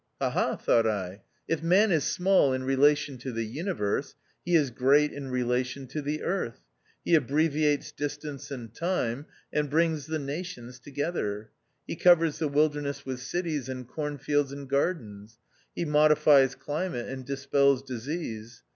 Ha ! ha ! thought I, if man is small in relation to the Universe, he is great in relation to the Earth. He abbreviates distance and time, and brings the nations together. He covers the wilderness with cities, and cornfields, and gardens. He modifies climate and dispels disease.